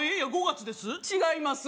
５月です違います